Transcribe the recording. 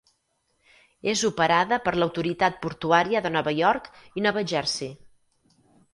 És operada per l'Autoritat Portuària de Nova York i Nova Jersey.